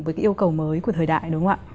với cái yêu cầu mới của thời đại đúng không ạ